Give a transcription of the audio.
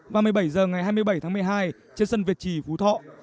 và một mươi bảy h ngày hai mươi bảy tháng một mươi hai trên sân việt trì phú thọ